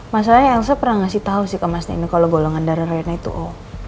masalahnya elsa pernah ngasih tau sih ke mas nino kalo golongan darah rena itu o